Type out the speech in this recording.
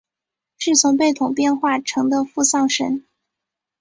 是从贝桶变化成的付丧神。